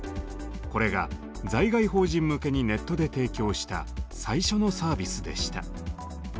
これが在外邦人向けにネットで提供した最初のサービスでした。